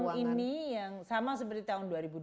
tahun ini yang sama seperti tahun dua ribu dua puluh